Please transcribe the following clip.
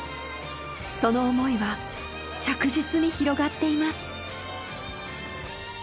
その思いは着実に広がっています。